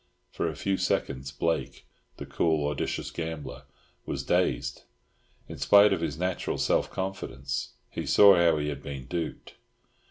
For a few seconds Blake, the cool, audacious gambler, was dazed, in spite of his natural self confidence. He saw how he had been duped.